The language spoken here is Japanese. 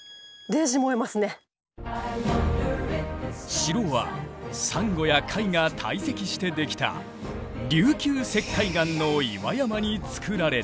城はサンゴや貝が堆積してできた「琉球石灰岩」の岩山に造られた。